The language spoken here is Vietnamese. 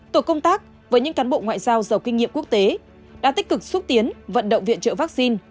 tổ công tác với những cán bộ ngoại giao giàu kinh nghiệm quốc tế đã tích cực xúc tiến vận động viện trợ vaccine